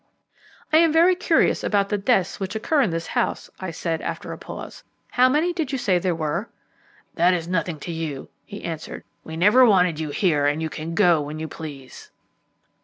"I am very curious about the deaths which occur in this house," I said, after a pause. "How many did you say there were?" "That is nothing to you," he answered. "We never wanted you here; you can go when you please."